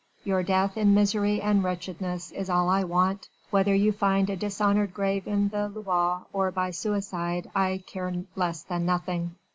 Your death in misery and wretchedness is all I want, whether you find a dishonoured grave in the Loire or by suicide I care less than nothing.